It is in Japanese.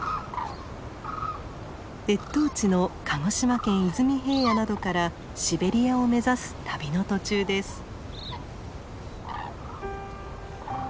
越冬地の鹿児島県出水平野などからシベリアを目指す旅の途中です。